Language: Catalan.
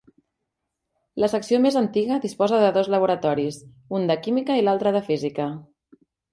La secció més antiga disposa de dos laboratoris, un de química i l'altre de física.